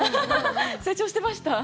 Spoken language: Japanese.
成長してました？